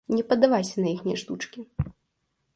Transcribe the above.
Не паддавайся на іхнія штучкі.